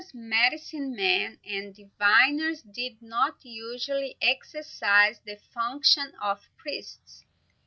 The sorcerers, medicine men, and diviners did not usually exercise the function of priests.